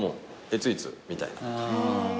いついつみたいなとか。